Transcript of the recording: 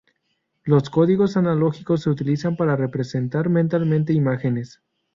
Los códigos analógicos se utilizan para representar mentalmente imágenes.